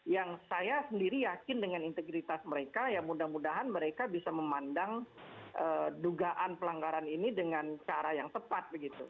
yang saya sendiri yakin dengan integritas mereka ya mudah mudahan mereka bisa memandang dugaan pelanggaran ini dengan cara yang tepat begitu